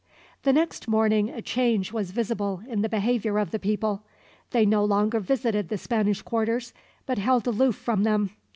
The next morning a change was visible in the behavior of the people. They no longer visited the Spanish quarters, but held aloof from them.